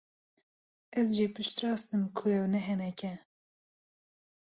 Ez jê piştrast im ku ev ne henek e.